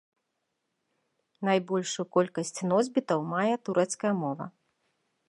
Найбольшую колькасць носьбітаў мае турэцкая мова.